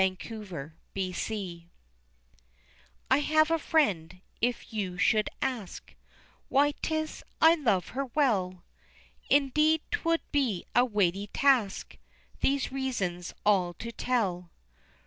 ] My Friend I have a friend, if you should ask Why 'tis I love her well, Indeed, 'twould be a weighty task These reasons all to tell.